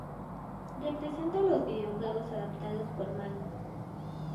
Representa a los videojuegos adaptados por Manga.